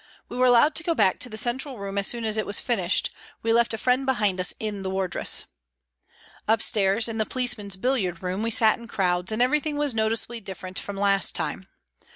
We were allowed to go back to the central room as soon as it was finished, we left a friend behind us in the wardress. Upstairs, in the policemen's billiard room, we sat in crowds, and everything was notice ably different from last time.